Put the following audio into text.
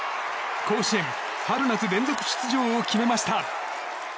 甲子園春夏連続出場を決めました。